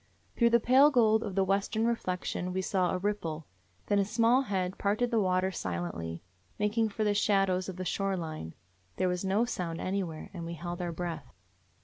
Through the pale gold of the western re flection we saw a ripple; then a small head parted the water silently, making for the shad ows of the shore line. There was no sound anywhere, and we held our breath.